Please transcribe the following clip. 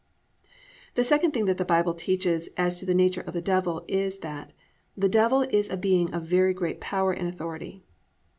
_ 2. The second thing that the Bible teaches as to the nature of the Devil, is that, the Devil is a being of very great power and authority.